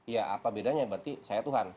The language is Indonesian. ya apa bedanya berarti saya tuhan